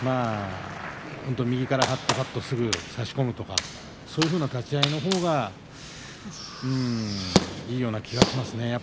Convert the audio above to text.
本当に右から張ってすぐに差し込むとかそういう立ち合いのほうがいいような気がしますね。